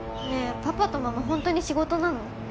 パパとママホントに仕事なの？